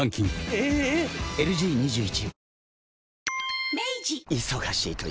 えええぇ⁉ＬＧ２１